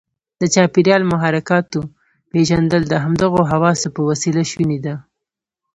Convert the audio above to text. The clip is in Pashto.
د چاپیریال محرکاتو پېژندل د همدغو حواسو په وسیله شونې ده.